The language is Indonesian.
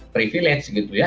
privilege gitu ya